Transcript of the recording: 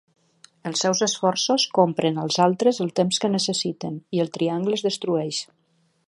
Els seus esforços compren als altres el temps que necessiten i el Triangle es destrueix.